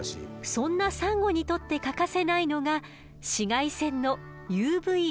そんなサンゴにとって欠かせないのが紫外線のＵＶーＡ。